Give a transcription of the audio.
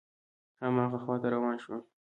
هماغه خواته روان شوم.